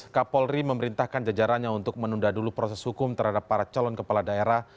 kapolri memerintahkan jajarannya untuk menunda dulu proses hukum terhadap para calon kepala daerah